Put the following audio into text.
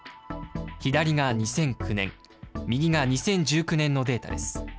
左が２００９年、右が２０１９年のデータです。